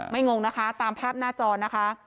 ไม่งงนะคะตามแพทย์หน้าจอนะคะ